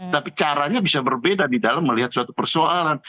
tapi caranya bisa berbeda di dalam melihat suatu persoalan